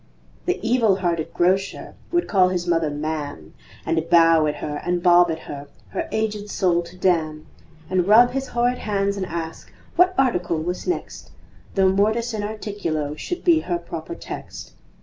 The evil hearted Grocer Would call his mother "Ma'am," And bow at her and bob at her, Her aged soul to damn, And rub his horrid hands and ask What article was next Though MORTIS IN ARTICULO Should be her proper text.